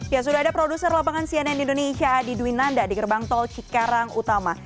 ya sudah ada produser lapangan cnn indonesia adi dwi nanda di gerbang tol cikarang utama